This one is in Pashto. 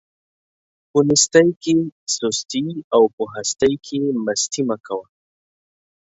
په نيستۍ کې سستي او په هستۍ کې مستي مه کوه.